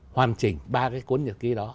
hoàn chỉnh ba cái cuốn nhật ký đó